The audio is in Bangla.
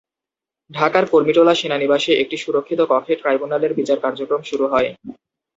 ঢাকার কুর্মিটোলা সেনানিবাসে একটি সুরক্ষিত কক্ষে ট্রাইব্যুনালের বিচার কার্যক্রম শুরু হয়।